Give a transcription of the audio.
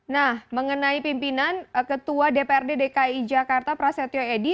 nah mengenai pimpinan ketua dprd dki jakarta prasetyo edy